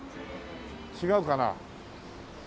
違うかな？